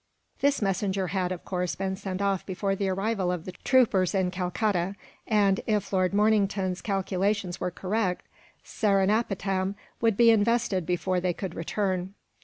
This messenger had, of course, been sent off before the arrival of the troopers in Calcutta and, if Lord Mornington's calculations were correct, Seringapatam would be invested before they could return.